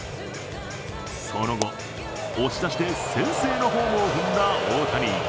その後、押し出しで先制のホームを踏んだ大谷。